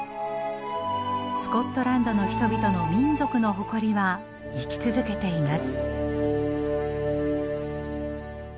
スコットランドの人々の民族の誇りは生き続けています。